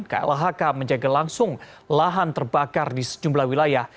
klhk menjaga langsung lahan terbakar di sejumlah wilayah